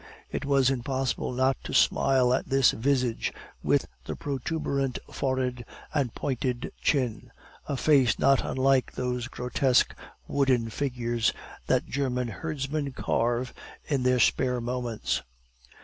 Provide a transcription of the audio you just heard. It was impossible not to smile at this visage with the protuberant forehead and pointed chin, a face not unlike those grotesque wooden figures that German herdsmen carve in their spare moments.